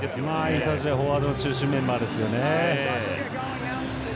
イトジェ、フォワードの中心メンバーですよね。